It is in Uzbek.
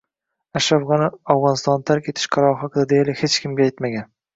Ashraf G‘ani Afg‘onistonni tark etish qarori haqida deyarli hech kimga aytmagan